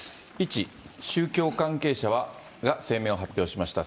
１、宗教関係者が声明を発表しました。